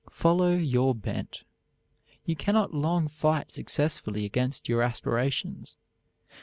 Follow your bent. You cannot long fight successfully against your aspirations.